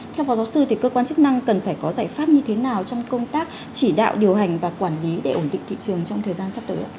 theo phó giáo sư thì cơ quan chức năng cần phải có giải pháp như thế nào trong công tác chỉ đạo điều hành và quản lý để ổn định thị trường trong thời gian sắp tới ạ